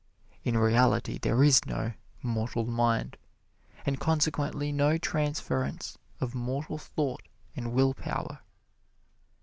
In reality there is no mortal mind, and consequently no transference of mortal thought and will power."